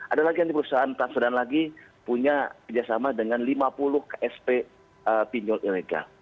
ada lagi yang di perusahaan transferan lagi punya kerjasama dengan lima puluh ksp pinjol ilegal